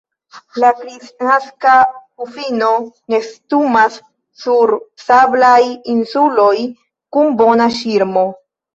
La Kristnaska pufino nestumas sur sablaj insuloj kun bona ŝirmo.